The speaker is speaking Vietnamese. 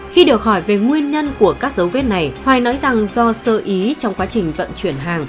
khi được hỏi về nguyên nhân của các dấu vết này hoài nói rằng do sơ ý trong quá trình vận chuyển hàng